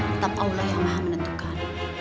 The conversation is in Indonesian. tetap allah yang maha menentukan